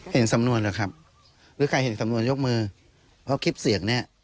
อย่างกู้มอย่างนี้ค่ะพี่